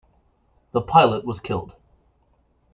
The pilot was killed.